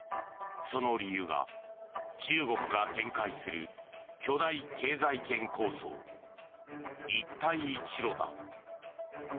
その理由が中国が展開する巨大経済圏構想、一帯一路だ。